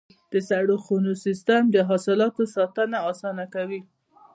د سړو خونو سیستم د حاصلاتو ساتنه اسانه کوي.